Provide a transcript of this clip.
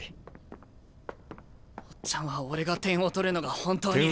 オッチャンは俺が点を取るのが本当に。